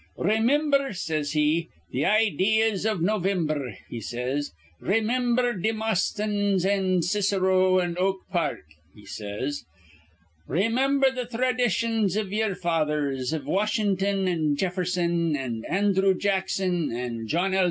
'Raymimber,' says he, 'th' idees iv Novimb'r,' he says. 'Raymimber Demosthens an' Cicero an' Oak Park,' he says. 'Raymimber th' thraditions iv ye'er fathers, iv Washin'ton an' Jefferson an' Andhrew Jackson an' John L.